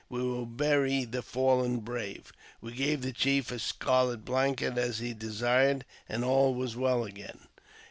We will bury the fallen brave." We gave the chief a scarlet blanket as he had desired, and all was well again.